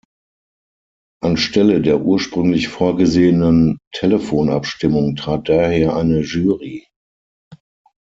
Anstelle der ursprünglich vorgesehenen Telefon-Abstimmung trat daher eine Jury.